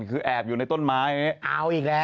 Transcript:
คือแอบอยู่ในต้นไม้อย่างนี้เอาอีกแล้ว